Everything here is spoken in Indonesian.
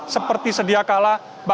seperti sedia kala bahkan sebelumnya